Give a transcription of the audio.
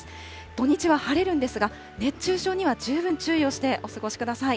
土日は晴れるんですが、熱中症には十分注意をして、お過ごしください。